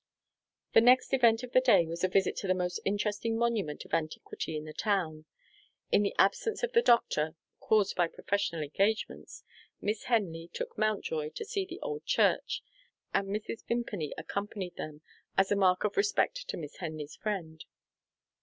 The next event of the day was a visit to the most interesting monument of antiquity in the town. In the absence of the doctor, caused by professional engagements, Miss Henley took Mountjoy to see the old church and Mrs. Vimpany accompanied them, as a mark of respect to Miss Henley's friend.